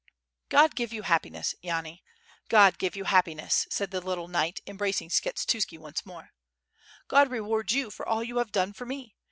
"God give you happiness, Yani, God give you happiness," said the little knight, embracing Skshetuski once more. "God reward you for all you have done for me!